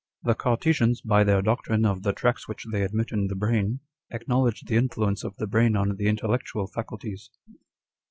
The Cartesians, by their doctrine of the tracks which they admit in the brain, acknowledge the influence of the brain on the intellectual faculties."